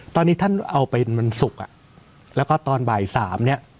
ตอนนี้ท่านเอาไปวันศุกร์แล้วก็ตอนบ่าย๓นี่